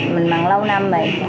mình mặn lâu năm vậy